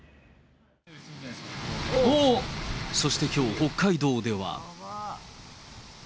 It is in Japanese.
そしてきょう、北海道では。